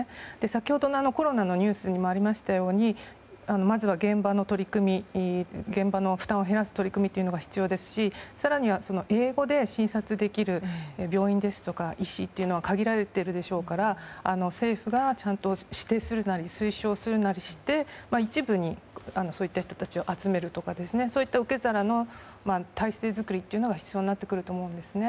先ほどのコロナのニュースにもありましたようにまずは現場の負担を減らす取り組みが必要ですし、更には英語で診察できる病院ですとか医師というのは限られているでしょうから政府が、ちゃんと指定するなり推奨するなりして一部にそういった人たちを集めるとかそういった受け皿の体制づくりが必要になってくると思うんですね。